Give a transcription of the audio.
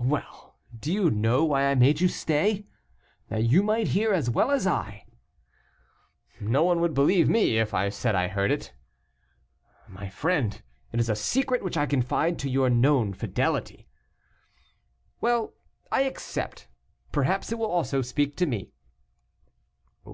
"Well, do you know why I made you stay? that you might hear as well as I." "No one would believe me if I said I heard it." "My friend, it is a secret which I confide to your known fidelity." "Well, I accept. Perhaps it will also speak to me."